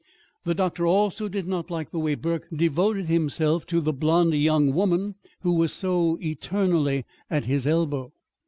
The doctor also did not like the way Burke devoted himself to the blonde young woman who was so eternally at his elbow.